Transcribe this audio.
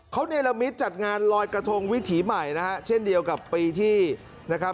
เขาเนรมิตจัดงานลอยกระทงวิถีใหม่นะฮะเช่นเดียวกับปีที่นะครับ